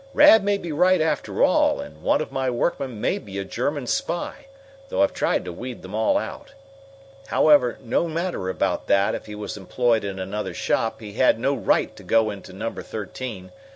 "Rad may be right, after all, and one of my workmen may be a German spy, though I've tried to weed them all out. "However, no matter about that, if he was employed in another shop, he had no right to go into Number Thirteen.